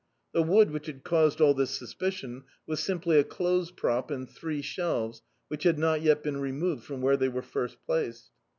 The wood, which had caused all this suspicion, was simply a clothes prop and three shelves which had not yet been removed from where they were first placed.